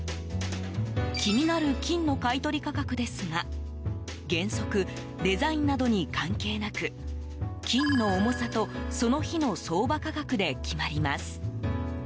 気になる金の買い取り価格ですが原則、デザインなどに関係なく金の重さと、その日の相場価格で決まります。